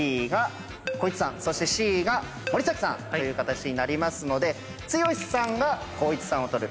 そしてＣが森崎さんという形になりますので剛さんが光一さんを撮る。